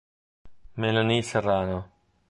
Melanie Serrano